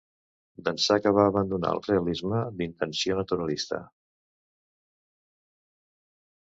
D'ençà que va abandonar el realisme d'intenció naturalista.